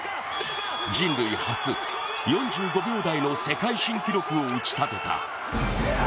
人類初、４５秒台の世界新記録を打ち立てた。